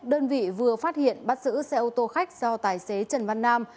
đơn vị vừa phát hiện bắt giữ xe ô tô khách do tài xế trần văn nam